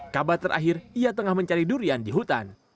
kabar terakhir ia tengah mencari durian di hutan